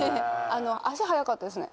足速かったですね。